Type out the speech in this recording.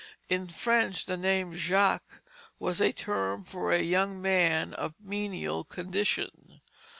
In French the name Jacques was a term for a young man of menial condition.